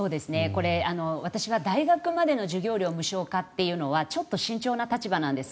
これ、私は大学までの授業料無償化というのはちょっと慎重な立場なんです。